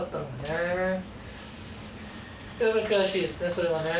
それはね。